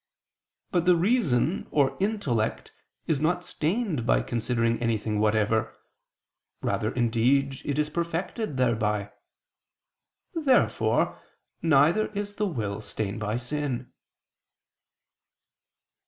But the reason or intellect is not stained by considering anything whatever; rather indeed is it perfected thereby. Therefore neither is the will stained by sin.